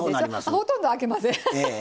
あほとんどあきません。